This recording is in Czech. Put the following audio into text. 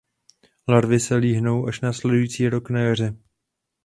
Larvy se líhnou až následující rok na jaře.